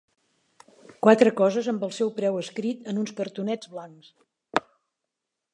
Quatre coses amb el seu preu escrit en uns cartonets blancs.